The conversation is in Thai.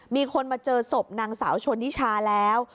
มีคนมาเจอศพนางสาวชนนิชาแล้ว